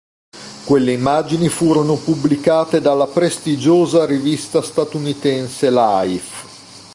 Quelle immagini furono pubblicate dalla prestigiosa rivista statunitense "Life".